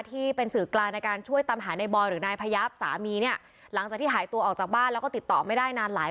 ที่เป็นสื่อกราณในการช่วยตามหาในบอยหรือนายพยับสามีเนี่ย